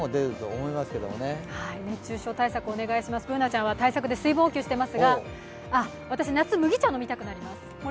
Ｂｏｏｎａちゃんは対策で水分補給してますがあっ、私、夏、麦茶飲みたくなります